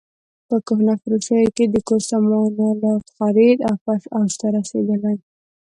په کهنه فروشیو کې د کور سامان الاتو خرید او فروش اوج ته رسېدلی.